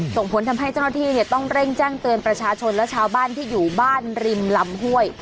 ส่งผลทำให้เจ้าหน้าที่ต้องเร่งแจ้งเตือนประชาชนและชาวบ้านที่อยู่บ้านริมลำห้วย